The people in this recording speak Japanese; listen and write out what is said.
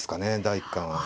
第一感は。